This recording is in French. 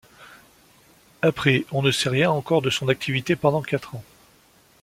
Après on ne sait rien encore de son activité pendant quatre ans.